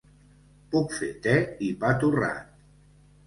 Puc fer té i pa torrat.